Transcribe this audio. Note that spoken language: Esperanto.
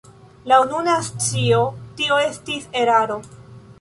Laŭ nuna scio tio estis eraro.